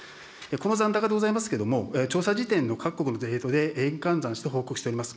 この残高でございますけれども、調査時点の各国のレートで円換算して報告しております。